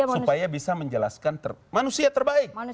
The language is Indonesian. supaya bisa menjelaskan manusia terbaik